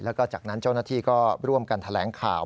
แล้วก็จากนั้นเจ้าหน้าที่ก็ร่วมกันแถลงข่าว